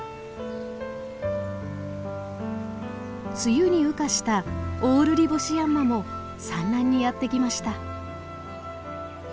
梅雨に羽化したオオルリボシヤンマも産卵にやって来ました。